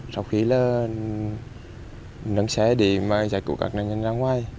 sau khi nâng xe để giải cứu các nạn nhân ra ngoài